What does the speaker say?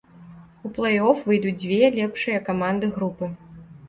У плэй-оф выйдуць дзве лепшыя каманды групы.